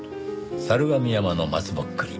猿峨見山の松ぼっくり